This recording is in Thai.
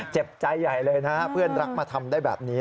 เจ็บใจใหญ่เลยนะเพื่อนรักมาทำได้แบบนี้